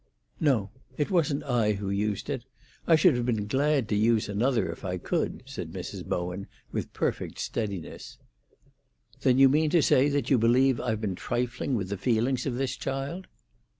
"No; it wasn't I who used it. I should have been glad to use another, if I could," said Mrs. Bowen, with perfect steadiness. "Then you mean to say that you believe I've been trifling with the feelings of this child?"